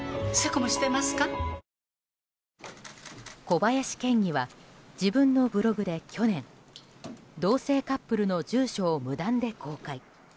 小林県議は自分のブログで去年、同性カップルの住所を無断で公開。